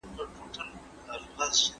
دولت ته سياسي مشورې ورکړئ.